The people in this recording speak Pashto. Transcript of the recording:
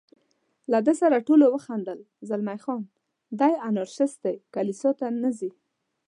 له دې سره ټولو وخندل، زلمی خان: دی انارشیست دی، کلیسا ته نه ځي.